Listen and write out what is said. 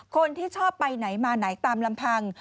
คนที่ชอบไปไหนมาไหนตามลำพัง